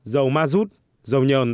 dầu ma rút dầu nhờn